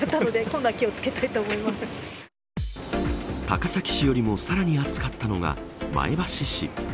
高崎市よりもさらに暑かったのが前橋市。